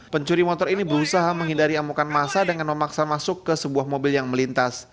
pencuri motor ini berusaha menghindari amukan masa dengan memaksa masuk ke sebuah mobil yang melintas